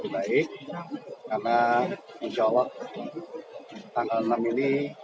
karena insya allah tanggal enam ini ada streaming tanggal sepuluh mungkin batik atau lain